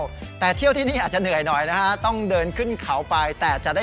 โอกาสนี้ขอบคุณท่านรองนะครับ